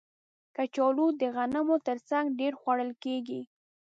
کچالو د غنمو تر څنګ ډېر خوړل کېږي